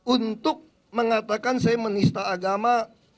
untuk mengatakan saya menista agama